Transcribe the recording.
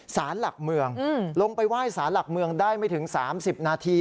สารหลักเมืองลงไปไหว้สารหลักเมืองได้ไม่ถึง๓๐นาที